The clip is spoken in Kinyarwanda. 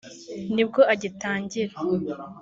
nibwo agitangira